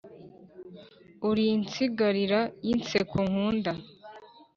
Uri insigarira y’inseko nkunda